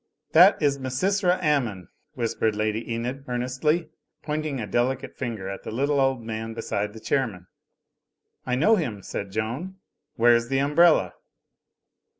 "That is Misysra Ammon," whispered Lady Enid, earnestly, pointing a delicate finger at the little old man beside the chairman. "I know him," said Joan. "Where's the umbrella